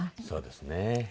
そうですね。